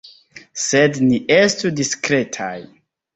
Sed ni estu diskretaj.